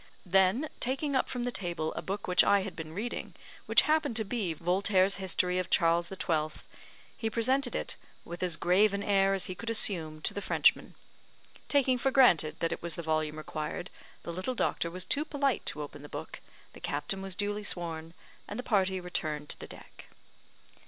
Then taking up from the table a book which I had been reading, which happened to be Voltaire's History of Charles XII., he presented it, with as grave an air as he could assume, to the Frenchman. Taking for granted that it was the volume required, the little doctor was too polite to open the book, the captain was duly sworn, and the party returned to the deck.